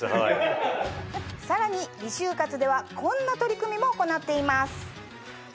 さらにＲｅ就活ではこんな取り組みも行っています。